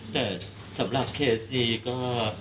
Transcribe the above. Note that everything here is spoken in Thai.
แต่สำหรับเคสนี้ก็